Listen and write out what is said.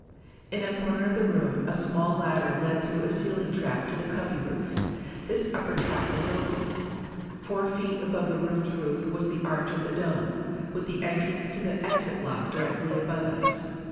In a corner of the room a small ladder led through a ceiling trap to the cubby roof. This upper trap was open. Four feet above the room's roof was the arch of the dome, with the entrance to the exit lock directly above us.